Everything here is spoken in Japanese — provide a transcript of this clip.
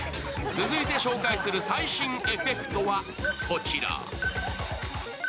続いて紹介する最新エフェクトはこちら。